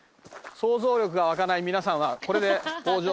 想像力が湧かない皆さんはこれで北条の家は。